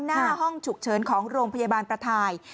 หน้าห้องฉุกเฉินของโรงพยาบาลประทาย